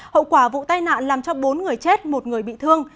hậu quả vụ tai nạn làm cho bốn người chết một người bị thương